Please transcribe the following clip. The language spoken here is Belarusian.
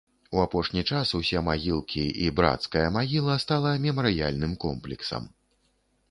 У апошні час усе магілкі і брацкая магіла стала мемарыяльным комплексам.